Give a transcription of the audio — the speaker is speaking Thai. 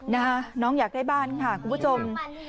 น้องอยากได้บ้านค่ะคุณผู้ชม